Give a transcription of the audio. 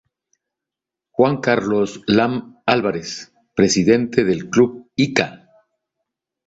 Juan Carlos Lam Alvarez, Presidente del Club Ica.